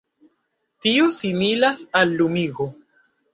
Tio similas al lumigo.